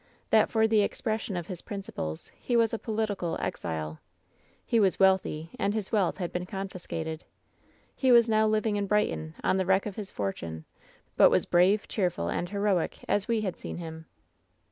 That for the expression of his principles he was a political exile. He was wealthy, and his wealth had been confiscated. He was now living in Brighton on the wreck of his fortune ; but was brave, cheerful and heroic, as we had seen him.